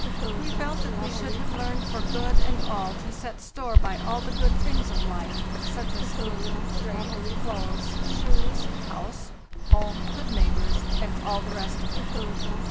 We felt that we should have learned for good and all to set store by all the good things of life, such as food, drink, clothes, shoes, house, home, good neighbors, and all the rest of it.